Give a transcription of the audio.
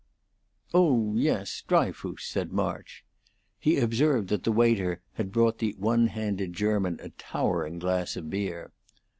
"Oh yes! Dryfoos," said March. He observed that the waiter had brought the old one handed German a towering glass of beer.